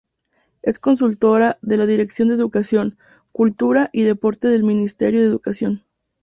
Es consultora de la Dirección de Educación, Cultura y Deporte del Ministerio de Educación.